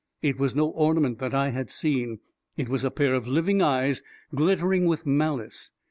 It was no ornament that I had seen ; it was a pair of living eyes, glittering with malice